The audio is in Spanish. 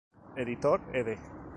Editor Ed.